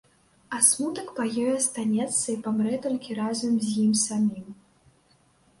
А смутак па ёй астанецца і памрэ толькі разам з ім самім.